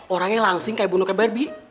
orangnya langsing kayak bunuh kebanyakan bi